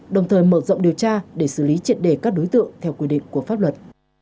đồng thời mở rộng điều tra để xử lý triệt đề các đối tượng theo quy định của pháp luật